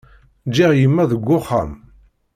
Ǧǧiɣ yemma deg uxxam.